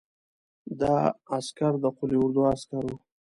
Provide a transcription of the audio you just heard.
دا عسکر د قول اردو عسکر وو.